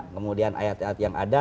kemudian ayat ayat yang ada